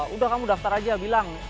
udah kamu daftar aja bilang